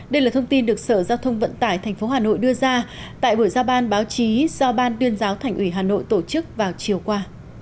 đây là thông tin được sở giao thông vận tải tp hà nội đưa ra tại buổi giao ban báo chí do ban tuyên giáo thành ủy hà nội tổ chức vào chiều qua